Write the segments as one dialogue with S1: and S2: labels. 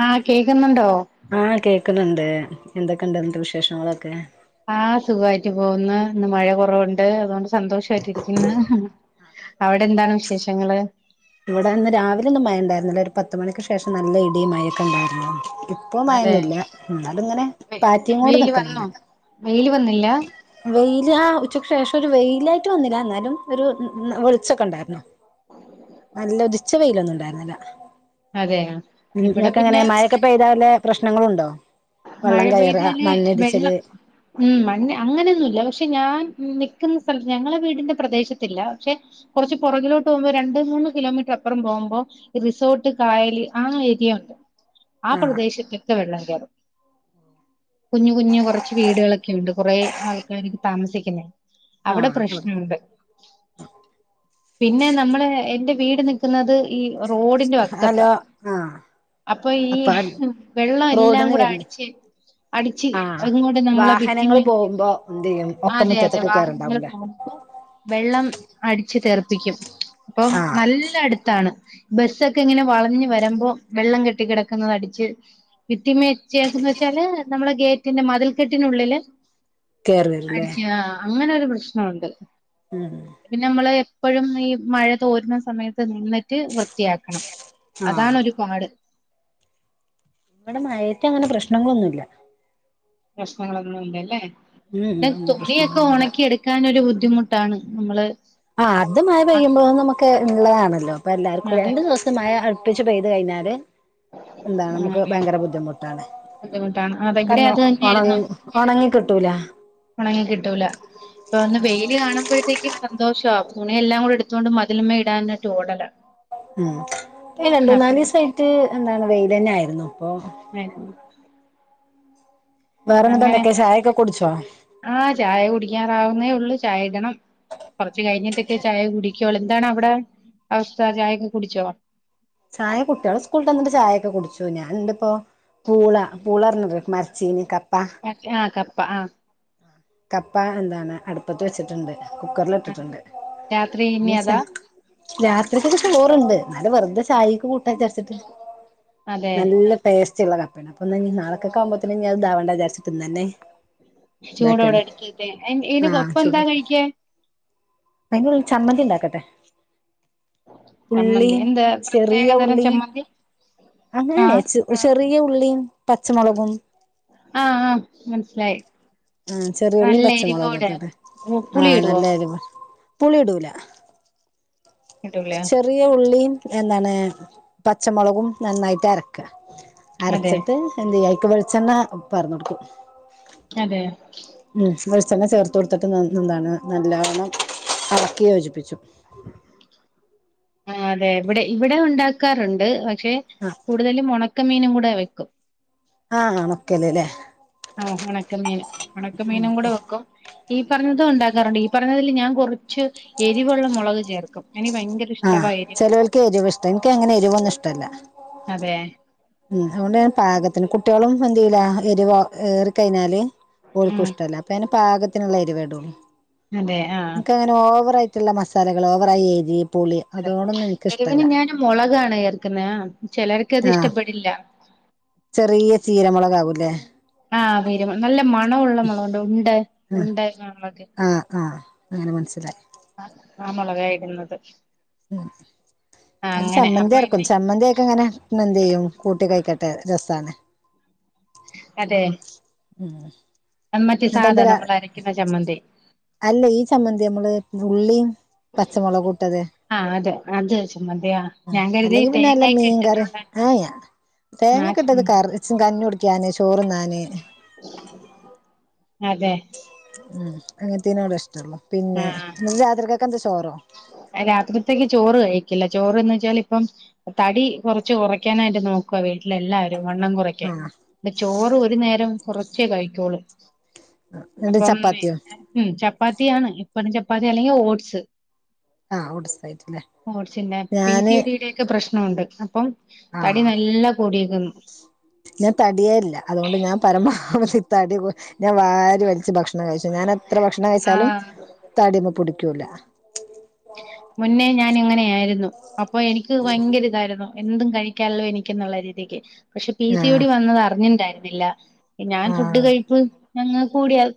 S1: ആ കേക്കുന്നുണ്ടോ
S2: എന്തൊക്കെ ഉണ്ട് അനട്ട് വിശേഷങ്ങളൊക്കെ
S1: ആഹ സുഖമായിട്ട് പോകുന്നു ഇന്ന് മഴ കുറവുണ്ട് അതുകൊണ്ട് സന്തോഷമായിട്ടിരിക്കുന്നു അവിടെ എന്താണ് വിശേഷങ്ങള്
S2: ഇവിടെ ഒന്ന് രാവിലെ ഒന്നും മഴ ഉണ്ടായിരുന്നില്ല ഒരു പത്ത മണിക്ക് ശേഷം നല്ല ഇടിയും മഴൊക്കെ ഉണ്ടായിരുന്നു ഇപ്പ
S1: അതെ
S2: മയൊന്നുല്ല എന്നാല ഇങ്ങനെ
S1: വെ
S2: പാറ്റിയും കൂടെ നിക്കുന്നുണ്ട്
S1: ഇല്ല
S2: ഇ ആ ഉച്ചക്ക് ശേഷം ഒരു വെയിലായിട്ട് വന്നില്ല എന്നാലും ഒരു വെളിച്ചൊക്കെ ഉണ്ടായിരുന്നു നല്ല ഉദിച്ച വെയിലൊന്നും ഉണ്ടായിരുന്നില്ല
S1: അതെ
S2: ഉ
S1: ഇവിടെ
S2: നിങ്ങക്കങ്ങനെ
S1: പിന്നെ
S2: മഴക്കെ പെയ്താല് പ്രശ്നങ്ങളൊണ്ടോ
S1: മഴ പെയ്താല് വെള്ളം ഉ മണ്ണ് അങ്ങനെയൊന്നുമല്ല പക്ഷെ ഞാൻ നിക്കുന്ന സ്ഥലത്ത് ഞങ്ങളെ വീടിന്റെ പ്രദേശത്തില്ല പക്ഷെ കുറച്ച് പുറകിലോട്ട് പോകുമ്പോ രണ്ട മൂന്ന് കിലോമീറ്റർ അപ്പുറം പോകുമ്പോ റിസോർട്ട് കായല് ആ ഏരിയ ഉണ്ട് ആ
S2: ആഹ്
S1: പ്രദേശത്തൊക്കെ വെള്ളം കേറും കുഞ്ഞ് കുഞ്ഞ് കുറച്ച് വീടുകളൊക്കെ ഉണ്ട് കുറെ ആൾക്കാർക്ക് താമസിക്കണേ അവിടെ
S2: ആഹ്
S1: പ്രശ്നുണ്ട് പിന്നെ നമ്മള് എന്റെ വീട്ന്ന് ക്കുന്നത് ഈ റോഡിന്റെ വക്കത്താ
S2: ഹലോ ആഹ്
S1: അപ്പൊ ഈ
S2: അപ്പ
S1: വെള്ളം എല്ലാം
S2: റോഡിന്ന്
S1: കൂടെ
S2: വരുന്നു
S1: അടിച്ച്
S2: ആഹ്
S1: അതങ്ങോട്ട നമ്മളെ
S2: വാഹനങ്ങൾ
S1: പിറ്റിമ്മേ
S2: പോകുമ്പോ എന്ത് ചെയ്യും ഒക്കെ
S1: അതെ അതെ
S2: മുറ്റത്തൊക്കെ
S1: വാഹനങ്ങൾ
S2: കേറുണ്ടാവൂലേ
S1: പോണപ്പോ വെള്ളം അടിച്ച് തെർപ്പിക്കും അപ്പൊ
S2: ആഹ്
S1: നല്ല അടുത്താണ് ബസ്സൊക്കെ ഇങ്ങനെ വളഞ്ഞഞ് വരുമ്പോ വെള്ളം കെട്ടി കിടക്കുന്നത് അടച്ച് ഭിത്തിമേ ചക്കന്ന് വെച്ചാല് നമ്മളെ ഗേറ്റിന്റെ മതിൽക്കെട്ടിനുള്ളിലെ
S2: കേറി വരല്ലേ
S1: അങ്ങനെ ഒരു പ്രശ്നുണ്ട് പിന്നെ നമ്മള് ഇപ്പോഴും ഈ മഴ തോരുന്ന സമയത്ത് നിന്ന് വൃത്തിയാക്കണം അതാണ്
S2: ആഹ്
S1: ഒരുപാട്
S2: ഇവിടെ മഴയത്ത് അങ്ങനെ പ്രശ്നങ്ങളൊന്നുമല്ല
S1: പ്രശ്നങ്ങളൊന്നും ഇല്ലല്ലേ
S2: ഉം
S1: പി
S2: ഉം
S1: തുണിയൊക്കെ
S2: പ്രശ്നങ്ങളൊന്നുല്ല
S1: ഉണക്കി എടുക്കാൻരു ബു- ബുദ്ധിമുട്ടാണ് നമ്മള്
S2: ആ അത് മഴ
S1: ആ
S2: പെയ്യുമ്പോൾ നമുക്ക് ഉള്ളതാണല്ലോ അപ്പൊ എല്ലാർക്കും
S1: അതെ
S2: രണ്ടു ദിവസം മഴ ടുപ്പിച്ച് പെയ്ത് കഴിഞ്ഞാല് എന്താണ് നമുക്ക്
S1: ആണല്ലെ
S2: ഭയങ്കര ബുദ്ധിമുട്ടാണ്
S1: ബുദ്ധിമുട്ടാണ് അതെ ഇവിടെ
S2: കാരണം
S1: അത്
S2: ഉണങ്ങി
S1: തന്നെയായിരുന്നു
S2: ഉണങ്ങി കിട്ടൂല
S1: ഒണങ്ങി കിട്ടൂല ഇപ്പൊ ഒന്ന് വെയില് കാണുമ്പോഴത്തേക്കും സന്തോഷം ആവും തുണിയെല്ലാംകൂടെ എടുത്തുകൊണ്ട് മതിലുമ്മേ ഇടാനായിട്ട് ഓടല
S2: ഉം രണ്ടു മുന്നാല് ദിവസായിട്ട് എന്താണ് വെയില് തന്നെ ആയിരുന്നു ഇപ്പൊ
S1: ആയിരുന്നു
S2: വേറെന്നിട്ട്
S1: അങ്ങനെ
S2: എന്തൊക്കെയാ ചായൊക്കെ കുടിച്ചോ
S1: ആ ചായ കുടിക്കാറാവുന്നേ ഉള്ളു ചായ ഇടണം കൊറച്ച് കഴിഞ്ഞിട്ടൊക്കെ ചായ കുടിക്കോള് എന്താണ് അവിടെ അവസ്ഥ ചായയൊക്കെ കുടിച്ചോ
S2: ചായ കുട്ടികള് സ്കൂൾ വിട്ട് വന്നിട്ട് ചായയൊക്കെ കുടിച്ചു ഞാൻ ഇണ്ട് ഇപ്പോ പൂള പൂളാർന്നു ങ്ങക്ക് മരച്ചീനി കപ്
S1: ആഹ് കപ്പ ആ
S2: കപ്പ എന്താണ് അടുപ്പത്ത് വെച്ചിട്ടുണ്ട് കുക്കറില്
S1: ആഹ്
S2: ഇട്ടിട്ടുണ്ട്
S1: രാത്രി ഇനി അതാ
S2: [unintelligible] ചോറുണ്ട് എന്നാല് വെറുതെ ചായ്ക്കൂ കൂട്ടാ വിചാരിച്ചിട്ട്
S1: അതെ
S2: നല്ല ടേസ്റ്റ് ഉള്ള കപ്പയാണ് അപ്പോ നാളത്തേക്ക് ആവുമ്പൊ അത് ത്രേ ഞാൻ ഇതാവണ്ടാം ന്ന്‌ വിചാരിച്ചിട്ട് ഇന്നന്നെ
S1: ചൂടോടെ
S2: ഇതാക്കാണ്
S1: എടുക്കട്ടെ ഏ ഇതിനു ഒപ്പം എന്താ കഴിയ്ക്കാൻ
S2: അയിനുള്ള ചമ്മന്തി ഇണ്ടാക്കട്ടെ
S1: ചമ്മന്തി എന്താ പ്രത്യേകതരം ചമ്മന്തി
S2: അങ്ങനല്ലേ
S1: ആഹ്
S2: ചെ ചെറിയ ഉള്ളിയും പച്ചമുളകും
S1: ആഹ് ആഹ് മനസിലായി
S2: ആ ചെറിയ ഉള്ളിയും പച്ചമുളകും ഇട്ടിട്ട്
S1: പുളി
S2: ആഹ്
S1: ഇടുവോ
S2: നല്ല എരിവാ പുളി ഇടുല
S1: ഇടൂല
S2: ചെറിയ ഉള്ളിയും എന്താണ് പച്ചമുളകും നന്നായിട്ട് അരക്കുക
S1: അതെ
S2: അരച്ചിട്ട് ന്തയ്യാ വെളിച്ചെണ്ണ പാ ർന്നു കൊടുക്കും
S1: അതെ
S2: ഉം വെളിച്ചെണ്ണ ചേർത്ത് കൊടുത്തിട്ട് എന്താണ് നല്ലവണ്ണം അളക്കി യോജിപ്പിച്ചു
S1: ആ അതെ ഇവിടെ ഇവിടെ ഉണ്ടാക്കാറുണ്ട് പക്ഷെ
S2: ആ
S1: കൂടുതലും ഉണക്ക ണക്ക മീനും കൂടെ വെക്കും
S2: ആഹ് ഹ ണൊക്കല് ല്ലേ
S1: ആ ഉണക്കമീൻ ഉണക്കമീനും കൂടെ വെക്കും ഈ പറഞ്ഞതും ഉണ്ടാക്കാറുണ്ട് ഈ പറഞ്ഞതിൽ ഞാൻ കൊറച്ച് ഭയങ്കര ഇഷ്ടവാ
S2: ആഹ്
S1: എരിവ്
S2: ചെലോല്ക്ക് എരിവ് ഇഷ്ട എനിക്ക് അങ്ങനെ എരിവൊന്നും ഇഷ്ടല്ല
S1: അതെ
S2: ഉം ഹോണ്ട് ഞാൻ പാകത്തിന് കുട്ട്യേളും ഫങ്ക് ചെയില്ല എരിവ് ഏറിക്കഴിഞ്ഞാല് ഓല്ക്കൂ
S1: ഉം
S2: ഇഷ്ട്ടല്ല അപ്പഞാനും പാകത്തിനുള്ള എരിവേയിടുള്ളൂ
S1: അതെ ആഹ്
S2: ഓവർയായിട്ടുള്ള മസാലകൾ ഓവറായി എരിവ്
S1: എരുവിന് ഞാൻ മൊളകാണ് ചെർക്കുന്നെ ആ ചെലർക്ക് അത്
S2: ആഹ്
S1: ഇഷ്ട്ടപ്പെടില്ല
S2: ല്ലെ
S1: ആഹ് വ [unintelligible] നല്ല മ പണമുള്ള മൊളകുണ്ട് ഉണ്ട്
S2: ആഹ്
S1: ഉണ്ട് [unintelligible]
S2: ആഹ് ആഹ് അങ്ങനെ മനസ്സിലായി
S1: ആ മൊളകായിടുന്നത്
S2: അത് ചമ്മന്തി
S1: അപ്പൊ
S2: അരക്കും
S1: ഇനി
S2: ചമ്മന്തിയൊക്കെ ഇങ്ങനെ എന്ത് ചെയ്യും കൂട്ടി കഴിക്കട്ടെ രസാണ്
S1: അതെ
S2: ഉം
S1: മറ്റേ
S2: എന്നിട്ട്
S1: സാധാ
S2: എന്തരാ
S1: നമ്മൾ അരക്കുന്ന ചമ്മന്തി
S2: അല്ല ഈ ചമ്മന്തി നമ്മള് ഉള്ളിയ്യും പച്ച മൊളകു ഇട്ടത്
S1: ആഹ് അത് അത് ചമ്മന്തി ആഹ്
S2: അ
S1: ഞാൻ കരുതി
S2: അല്ലെങ്കി പിന്നെ ല്ലാ
S1: തേങ്ങയൊക്കെ
S2: മീൻകറി
S1: ഇട്ടിട്ടുള്ള
S2: ഏ എ ആ
S1: ആ
S2: തേങ്ങക്ക ഇട്ടത്
S1: ചമ്മന്തി
S2: കറി കഞ്ഞി കുടിക്കാന് ചോറ്ന്നാൻ
S1: അതെ
S2: ഉം അങ്ങനെത്തെനോടാ ഇഷ്ട്ടം ട്ടൊള്ളു പിന്നെ
S1: ആഹ്
S2: രാത്രിക്കെക്കെന്താ ചോറോ
S1: ഇല്ല ചോറ് തിന്ന് വെച്ചാൽ ഇപ്പം തടി കൊറച്ച് കുറയ്ക്കാനായിട്ട് നോക്കുവ വീട്ടിൽ ടിൽ എല്ലാവരും വണ്ണം കുറക്കാൻ
S2: ആഹ്
S1: ന്റെ ചോറ് ഒരു നേരം കുറച്ച് ച്ചേ കഴിക്ക്യോള്ളു
S2: എന്നിട്ട്
S1: അപ്പം
S2: ചപ്പാത്തിയോ
S1: ഉം ചപ്പാത്തി ചപ്പാത്തിയാണ് ഇപ്പതും ചപ്പാത്തി അല്ലെങ്കി ഓട്സ്
S2: ആ ഓട്സ് സായിട്ടല്ലേ ഞാന്
S1: ആ ഉണ്ട്‌ അപ്പം തടി
S2: ആഹ്
S1: നല്ല കൂടിയേക്കുന്നു
S2: ഞാൻ തടിയെയില്ല അതുകൊണ്ട് ഞാൻ പരമാവ ധി തടി കു ഞാൻ വാരി വലിച്ച് ഭക്ഷണം കഴിച്ചും ഞാനെത്ര ഭക്ഷണം കഴിച്ചാലും
S1: ആഹ്
S2: തടിമ്മ പിടി ക്കൂല
S1: മുന്നേ ഞാൻ ഇങ്ങനെ ആയിരുന്നു അപ്പൊ എനിക്ക് ഭയങ്കര ഇതായിരുന്നു എന്തും കഴിക്കാല്ലോ എനിക്ക്‌ എന്നുള്ള രീതിക്ക് പക്ഷെ പി സി ഓ
S2: ആഹ്
S1: ടി വന്നത് അറിഞ്ഞിണ്ടായി ല്ല ഞാൻ ഫുഡ്
S2: ആഹ്
S1: കഴിപ്പ് ഞങ്ങൾ കൂടിയാൽ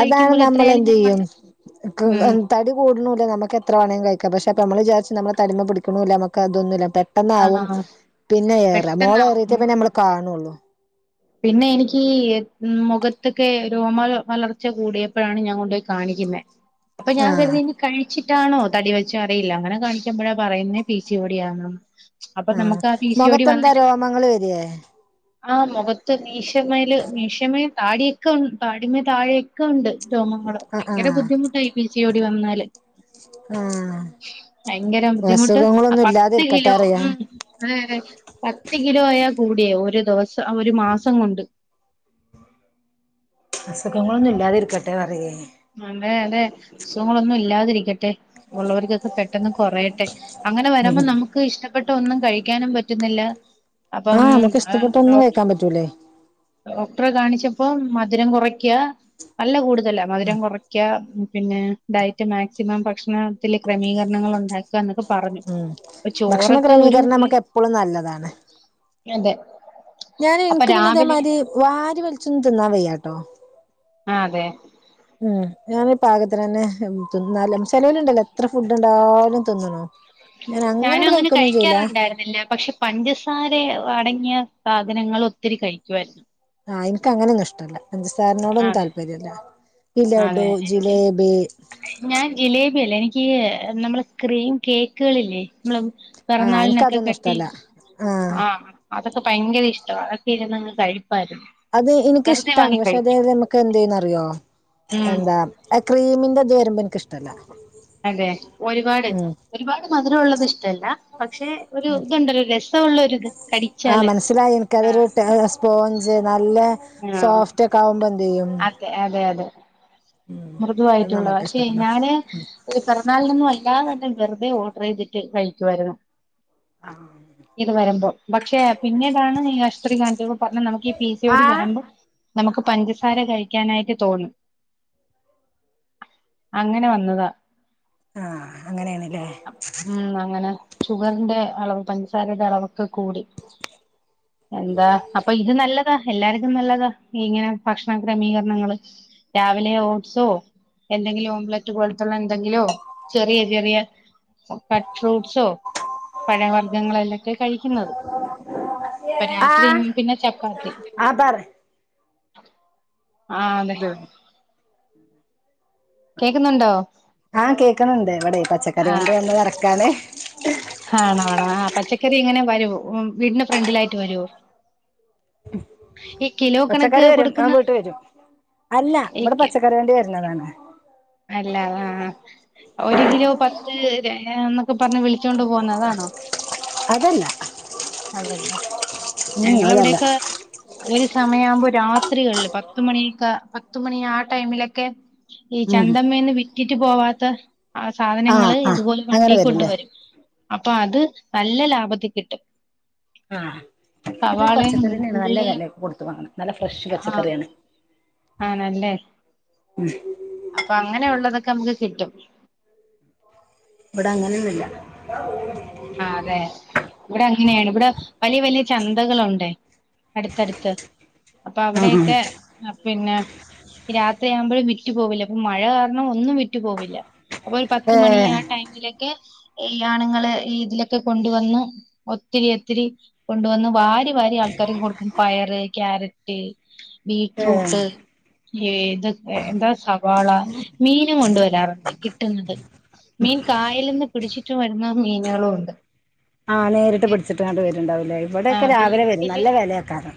S2: അതാണ് നമ്മൾ എന്തേയ്യും
S1: ഉം
S2: തടി കുടുണുല്ല നമുക്ക് എത്ര വേണേലും കഴിക്ക പക്ഷെ അപ്പെ നമ്മള് വിചാരിച്ചു നമ്മള പിടിക്കുണുല്ല നമക്ക് അതൊന്നുല്ല പെട്ടന്നാവും
S1: ആഹ്
S2: പിന്നെ ഏറെ
S1: പെട്ടെന്നാവും
S2: മോളേറിട്ടേ പിന്നെ നമ്മള് കാണുള്ളൂ
S1: പിന്നെ എനിക്ക് മുഖത്തൊക്കെ രോമ വളർച്ച കൂടിയപ്പോഴാണ് ഞാൻ കൊണ്ടോയി കാണിക്കുന്നെ അപ്പൊ ഞാൻ
S2: ആഹ്
S1: കരുതി ഇനി കഴി ച്ചിട്ടാണോ തടി വെച്ചത് അറിയില്ല അങ്ങനെ കാണിക്കുമ്പോഴാ പറയുന്നേ പി സി ഒ ടി യാന്ന്
S2: ആഹ് മുഖത്തെന്താ രോമങ്ങള് വരിയേ
S1: ആഹ് മോഖ ത്ത് മീശമേൽ മീശമേം താടിയൊക്കെ ഉ താടിമ്മേ താഴെയൊക്കെ ഉണ്ട് രോമങ്ങളും ഭയങ്കര ബുദ്ധിമുട്ടായി ഈ പി സി ഒ ടി വന്നാല് ഭയങ്കര
S2: ഓഹ്
S1: ബുദ്ധിമുട്ട്
S2: അസുഖങ്ങളൊന്നും ഇല്ലാതെയിരിക്കട്ടെ പറയാ
S1: ആഹ് പത്ത് കിലോയാ കൂടിയേ ഒരു ദിവസ ആഹ് ഒരു മാസ
S2: അസുഖകളൊന്നും ഇല്ലാതെയിരിക്കട്ടെ പറയനു
S1: അതെ അതെ അസുഖങ്ങളൊന്നും ഇല്ലാതിരിക്ക ട്ടേ ഉള്ളവർക്കൊക്കെ പെട്ടെന്ന് കുറയട്ടെ അങ്ങനെ വരുമ്പോ നമുക്ക് ഇഷ്ട ട്ടപ്പെട്ട ഒന്നും കഴിക്കാനും പറ്റുന്നില്ല അപ്പം
S2: ആഹ് നമുക്ക്
S1: ഏഹ്
S2: ഇഷ്ടപ്പെട്ടൊന്നും
S1: ഡോക്
S2: കഴിക്കാൻ പറ്റൂലേ
S1: ടറെ കാണിച്ചപ്പോ മധുരം കുറയ്ക്കാ നല്ല കൂടുതലാ രം കുറയ്ക്കാ പിന്നെ ഡയറ്റ് മാക്സിമം ഭക്ഷണ ത്തിൽ ക്രമീകരണങ്ങൾ ഉണ്ടാക്കുക എന്നൊക്കെ പറഞ്ഞു
S2: ഉം
S1: അപ്പൊ
S2: ഭക്ഷണ
S1: ചോറൊക്കെ ഒരു
S2: ക്രമീകരണം
S1: ഒരു
S2: നമുക്ക് എപ്പോഴും
S1: അതെ
S2: ഞാന്
S1: അപ്പൊ
S2: ഇൻക്ക് പ്പ
S1: രാവിലെ
S2: ഇതേമായിരി വാരി വൽച്ചോന്നും തിന്നാ വയ്യാട്ടോ
S1: ആ അതെ
S2: ഉം ഞാന് പാകത്തിനെന്നെ തിന്നല് ചെലോ ല്ണ്ടല്ലോ എത്ര ഫുഡ് കണ്ടാലും തിന്ന്ണ്
S1: ഞാനും അങ്ങനെ കഴിക്കാറെണ്ടായിരിന്നില്ല പക്ഷേ പഞ്ചസാരയണങ്കി ഞാൻ സാധനങ്ങളൊത്തിരി കഴിക്കുവായിരുന്നു
S2: ആ ഇൻക്ക് അങ്ങനെന്നുഷ്ടല്ലാ പഞ്ചസാരനോടൊന്നും
S1: അതെ
S2: താല്പര്യല്ലാ ലെഡു
S1: അതെ എനിക്ക്
S2: ജിലേബി
S1: ഞാൻ ജിലേബിയല്ല എനിക്ക് ഈ നമ്മളെ ക്രീം കേക്കുകളില്ലേ മ്ലം കേ
S2: ആഹ്
S1: പിറന്നാളിനൊക്കെ
S2: എനിക്കതൊന്നും
S1: കട്ടി
S2: ഇഷ്ടല്ല
S1: ചെയ്
S2: ആഹ്
S1: ആ അതൊക്കെ ഭയങ്കര ഇഷ്ടാവ അതൊക്കെ ഇര്ന്നങ്ങ് കഴി
S2: അത് എനിക്കിഷ്ടാണ് പക്ഷേ അതെയെത് നമക്ക് എന്തെയ്യോന്നാറിയോ
S1: ഉം
S2: എന്താ എ ക്രീമി ൻ്റെത് വരമ്പോ എനിക്കിഷ്
S1: അതെ ഒര്പാട്
S2: ഉം
S1: ഒര്പാട് മധുരൊള്ളത് ഇഷ്ടല്ലാ പക്ഷെ ഒര് ഇത്ണ്ടാല്ലോ രസ്
S2: ആ മനസ്സിലായി എനിക്കതൊര്
S1: ആഹ്
S2: ടെ സ്പോഞ്ച് നല്ല
S1: ആഹ്
S2: സോഫ്റ്റൊക്കാവുമ്പോ
S1: അതെ അതെ യതെ
S2: അത്
S1: മൃദുവായിട്ടുള്ള
S2: നമുക്ക്
S1: പക്ഷേ
S2: ഇഷ്ടപ്പെട
S1: ഞാന് പെറന്നാളിനൊന്നും അല്ലാതന്നെ വെറുതെ ഓ ചെയ്തിട്ട് കഴിക്കുവാര്ന്ന്
S2: ആ
S1: പക്ഷേ പിന്നീടാണ് ഈ ആശുത്രി കണിച്ചപ്പം പറഞ്ഞ് നമക്ക് ഈ പി സി യോടി
S2: ആഹ്
S1: വെരുമ്പം നമക്ക് പഞ്ചസാര കഴിക്ക്യാനായിട്ട് തോന്നും അങ്ങന വന്നതാ
S2: ആ അങ്ങനെണ്ല്ലേ
S1: ഉം അങ്ങനെ ഷുഗറിന്റെ അളവ് പഞ്ചസാരെടെ അളവൊക്കെ കൂടി എന്താ അപ്പം ഇത് നല്ലതാ എല്ലാർക്കും നല്ലതാ ഇങ്ങനെ ഭക്ഷണ ക്രമീകരണങ്ങള് രാവിലെയോ സോ എന്തെങ്കിലും ഓംലറ്റ് പോലെത്തെ എന്തെങ്കിലോ ചെറിയ ചെറിയ ഫ ഫ്രൂട്ട്സോ പഴവർഗങ്ങളെല്ലൊക്കെ കഴിക്ക്ന്നത് ഇപ്പം രാത്രി
S2: ആഹ്
S1: ഇ പിന്നെ ചപ്പാത്തി
S2: ആഹ് പറ
S1: ആ അതെ
S2: ഇത്
S1: കേക്കുന്നുണ്ടോ
S2: ആ കേക്ക്ണ് ണ്ട് ഇവടെ പച്ചക്കറി
S1: ആ
S2: വണ്ടി വന്ന തെരക്കാണെ
S1: ആണോ ആണോ ആ പച്ചക്കറി എങ്ങനെ വെരുവോ ഉം വീടിന്റെ ഫ്രണ്ടിലായിട്ട് വെരുവോ
S2: പച്ചക്കറി വരും, ആം വീട്ട് വരും. അല്ല ഇവടെ
S1: ഈ
S2: പച്ചക്കറി വണ്ടി വര്ന്നതാണ്.
S1: അല്ല, ആഹ് ഒരു കിലോ പത്ത് രയാന്ന്. ഇപ്പോ പറഞ്ഞ് വിളിച്ചോണ്ട് പോവുന്നെ അതാണോ?
S2: അതല്ല
S1: അതല്ലേ
S2: ഉം
S1: ഞങ്ങളെ
S2: അതല്ല
S1: ഇവിടൊക്കെ ഒരു സമയമാവുമ്പോ രാത്രികളില് പത്തുമണിക്കെ പത്തുമണി ആ ടൈമിലൊക്കെ
S2: ഉം
S1: ചന്തമേന്ന് വിട്ടി വിറ്റ് പോവാത്ത ആ
S2: ആഹ്
S1: സാധനങ്ങള്
S2: ആഹ്
S1: ഇതുപോലെ
S2: അങ്ങനെ
S1: വണ്ടി
S2: വരൂല്ലേ
S1: കൊണ്ടുവരും. അപ്പൊ അത് നല്ല ലാഭത്തി കിട്ടും.
S2: ആഹ്! ഇത്
S1: സവാളയും
S2: പച്ചക്കറി തന്നെയാണ്. നല്ല
S1: ഉള്ളിയും
S2: വില കൊടുത്തു വാങ്ങണെ! നല്ല ഫ്രഷ്
S1: ആഹ്
S2: പച്ചക്കറിയാണ്.
S1: ആണല്ലേ
S2: ഉം!
S1: അപ്പൊ അങ്ങനെ ഉള്ളതൊക്കെ നമുക്ക് കിട്ടും.
S2: ഇവിടെ അങ്ങനൊന്നുല്ല
S1: ആ അതെ, ഇവിടെ അങ്ങനെയാണ് ഇവിടെ വലിയ വലിയ ചന്തകളുണ്ടേ അടുത്തടുത്ത് അപ്പൊ
S2: ആഹ്
S1: അവിടെയൊക്കെ പിന്നെ രാത്രിയാകുമ്പോഴും വിരി വിറ്റ്പോവില്ല ഇപ്പ മഴ കാരണം ഒന്നും വിറ്റ് വിറ്റ്പോവില്ല അപ്പൊ ഒരു പത്തുമണി
S2: ഏഹ്
S1: ആ ടൈമിലൊക്കെ? ഈ ആണ്ങ്ങള് രീതിയിലൊക്കെ കൊണ്ടുവന്ന് ഒത്തിരി ഒത്തിരി കൊണ്ടുവന്ന് വാരി! ത്തു വാരി ആൾക്കാര്ക്ക് കൊടുക്കും പയറ് ക്യാര ഏയ്
S2: ഏഹ്
S1: ബീറ്റ്റൂട്ട് ഇത് എന്താ സവാള മീനും കൊണ്ട് വരാറുണ്ട് കിട്ടുന്നത് മീൻ കായലിന്ന് പിടിച്ചിട്ട് വരുന്ന മീൻ
S2: ആ നേര്ട്ട് പിട്ച്ച്ട്ടങ്ങണ്ട് വെ ഇണ്ടാവുംലേ
S1: ആ
S2: ഇവട്യൊക്കെ രാവിലെ വെരും
S1: വീട്ടില്
S2: നല്ല വെല്യേക്കാരം.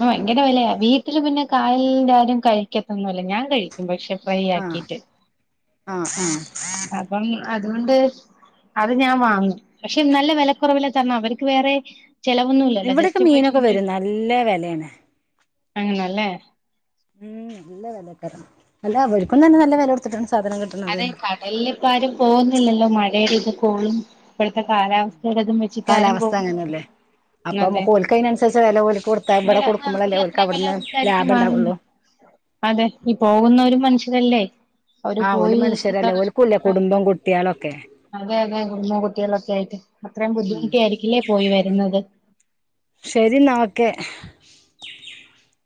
S1: ഭയങ്കര വെലയാ വീട്ടില് പിന്നെ കായലിലാരും കഴിക്കത്തൊന്നുവില്ല ഞാൻ കഴിക്കും പക്ഷെ
S2: ആഹ്
S1: ഫ്രൈയാക്കീട്ട്
S2: ആഹ് ആഹ്
S1: അപ്പം അതുകൊണ്ട് അത് ഞാൻ വാങ്ങും പക്ഷേ നല്ല വെലക്കൊറവില് തന്നാ അവർക്ക് വേറേ
S2: ഇവടൊക്കെ മീനൊക്കെ വെരും നല്ല വെലേണ്
S1: അങ്ങനെല്ലേ
S2: ഉം നല്ല വെലേക്കാരം അല്ല ഇവര്ക്കും തെന്നെ നല്ല വെലൊട്ത്ത്ട്ടാണ് സാ
S1: അതെ കടലിലിപ്പ ആരും പോകുന്നില്ലല്ലോ മഴെ [inaudible] ദ് കോളിൻ ഇപ്പഴ്ത്തെ കാലാവസ്ഥേടെതും
S2: കാലാവസ്ഥ
S1: വെച്ചിട്ടാരുംപോകുന്നില്ല
S2: അങ്ങനെയല്ലേ അപ്പൊ
S1: അതെ
S2: നമുക്ക് ഓൽക്ക് അതിനനുസരിച്ച് വില ഓൽക്ക് കൊടുത്താ ഇവിടെ
S1: പിന്നല്ല ആഹ് അവര്
S2: കൊടുക്കുമ്പോളല്ലേ ഓൽക്ക്
S1: അത്രേം വെല
S2: അവിടുന്ന്
S1: കൊട്ത്തായിരിക്കും
S2: ലാഭം
S1: വാങ്ങുന്നെ
S2: ഉണ്ടാവുള്ളൂ
S1: അതെ ഈ പോകുന്ന ഒരു മനുഷ്യ ല്ലല്ലേ
S2: ആഹ് ഓല്
S1: പോയി ഇ
S2: മനുഷ്യരല്ലേ
S1: കഷ
S2: ഓൽക്കൂല്ലേ കുടുംബം കുട്ട്യാളൊക്കെ
S1: അതെ അതെ കുടും കുട്ടികളൊക്കെ ആയിട്ട് അത്രയും
S2: ഉം
S1: ബുദ്ധിമുട്ടി ആയിരിക്കില്ലേ പോയി വരുന്നത്
S2: ശ [unintelligible]